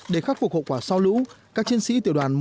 để khắc phục hậu quả sau lũ các chiến sĩ tiểu đoàn một trăm linh một